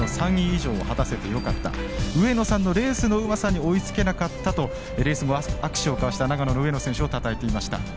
上野さんのレースのうまさに追いつけなかったと、レース後に握手を交わした長野の上野選手をたたえていました。